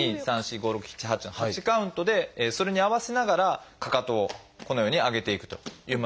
１２３４５６７８の８カウントでそれに合わせながらかかとをこのように上げていくというものになります。